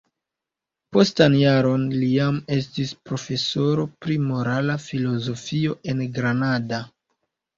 Postan jaron li jam estis profesoro pri morala filozofio en Granada.